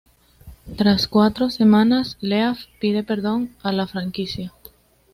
Tras cuatros semanas Leaf pide perdón a la franquicia.